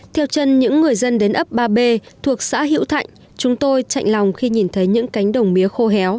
theo chân những người dân đến ấp ba b thuộc xã hiễu thạnh chúng tôi chạy lòng khi nhìn thấy những cánh đồng mía khô héo